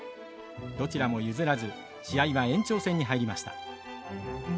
どちらも譲らず試合は延長戦に入りました。